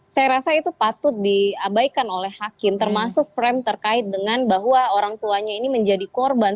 saya rasa itu patut diabaikan oleh hakim termasuk frame terkait dengan bahwa orang tuanya ini menjadi korban